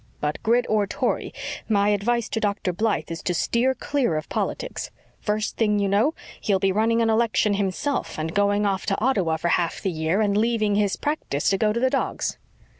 But Grit or Tory, my advice to Dr. Blythe is to steer clear of politics. First thing you know, he'll be running an election himself, and going off to Ottawa for half the year and leaving his practice to go to the dogs."